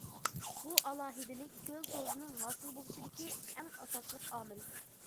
بۇ ئالاھىدىلىك كۆل تۇزىنىڭ ھاسىل بولۇشىدىكى ئەڭ ئاساسلىق ئامىل.